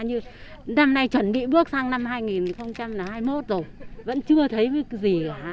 như năm nay chuẩn bị bước sang năm hai nghìn hai mươi một rồi vẫn chưa thấy cái gì cả